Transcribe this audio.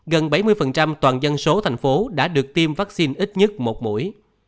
gần bảy mươi toàn dân số thành phố đã được tiêm vaccine ít nhất một mũi